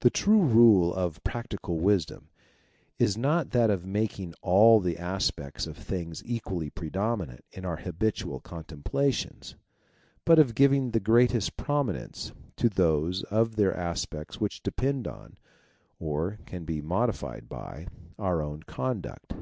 The true rule of practical wisdom is not that of making all the aspects of things equally prominent in our habitual .contemplations, but of giving the greatest prominence to those of their aspects which depend on, or can be modified by, our own conduct.